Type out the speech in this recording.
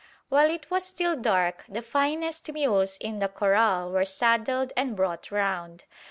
While it was still dark, the finest mules in the corral were saddled and brought round.